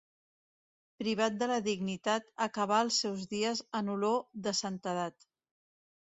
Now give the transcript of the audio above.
Privat de la dignitat, acabà els seus dies en olor de santedat.